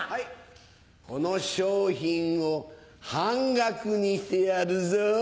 この商品を半額にしてやるぞ。